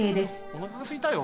おなかがすいたよ。